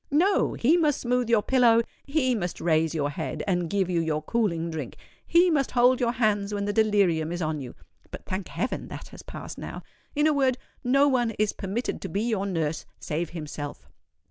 No—he must smooth your pillow—he must raise your head, and give you your cooling drink—he must hold your hands when the delirium is on you (but, thank heaven! that has passed now);—in a word, no one is permitted to be your nurse save himself."